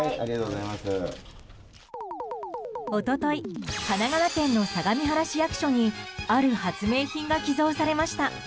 一昨日神奈川県の相模原市役所にある発明品が寄贈されました。